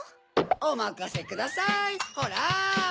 おまかせくださいホラ！